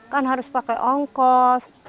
kan harus pakai ongkos